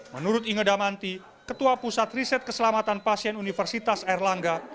menurut inge damanti ketua pusat riset keselamatan pasien universitas airlangga